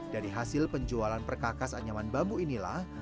dari hasil penjualan perkakas anyaman bambu inilah